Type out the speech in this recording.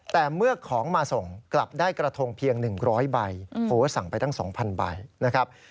แต่เมื่อของมาส่งกลับได้กระทงเพียง๑๐๐ใบสั่งไปตั้ง๒๐๐ใบนะครับ